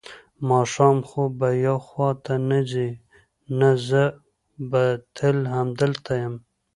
ماښام خو به یو خوا ته نه ځې؟ نه، زه به تل همدلته یم.